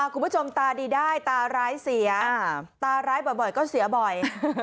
ตาดีได้ตาร้ายเสียตาร้ายบ่อยก็เสียบ่อย